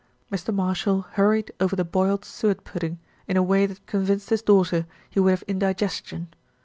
Mr. Marshall hurried over the boiled suet pudding in a way that convinced his daughter he would have indigestion.